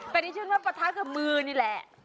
เป็นที่ชื่อว่าประทะกับมือนี่แหละ